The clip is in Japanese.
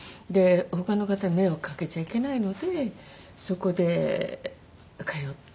他の方に迷惑掛けちゃいけないのでそこで通って。